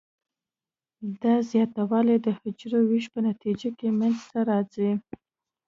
دا زیاتوالی د حجروي ویش په نتیجه کې منځ ته راځي.